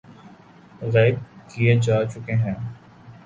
غائب کئے جا چکے ہیں